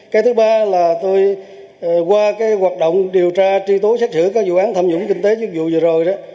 cái thứ ba là tôi qua hoạt động điều tra tri tố xét xử các vụ án tham nhũng kinh tế chức vụ vừa rồi